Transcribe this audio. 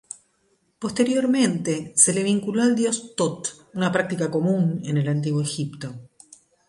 Posteriormente se le vinculó al dios Thot –una práctica común en el Antiguo Egipto–.